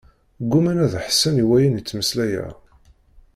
Gguman ad ḥessen i wayen i d-ttmeslayeɣ.